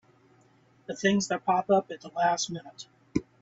The things that pop up at the last minute!